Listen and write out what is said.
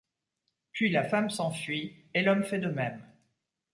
Puis la femme s'enfuit, et l'homme fait de même.